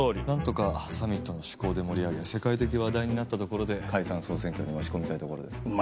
なんとかサミットの趣向で盛り上げ世界的話題になったところで解散総選挙に持ち込みたいところです。